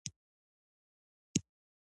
وزلوبه، غېږه نیول او جمناسټیک هم شامل دي.